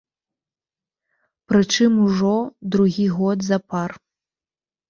Прычым ужо другі год запар.